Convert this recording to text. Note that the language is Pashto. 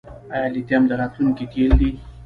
آیا لیتیم د راتلونکي تیل دي؟